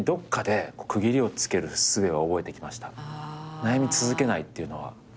悩み続けないっていうのは。